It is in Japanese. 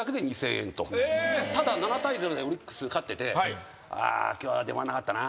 ただ７対０でオリックス勝ってて「ああ今日は出番なかったな。